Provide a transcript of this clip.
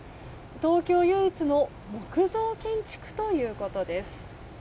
東京唯一の木造建築ということです。